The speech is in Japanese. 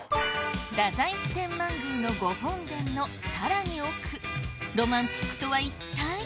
太宰府天満宮のご本殿のさらに奥ロマンティックとは一体！？